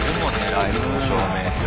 ライブの照明って。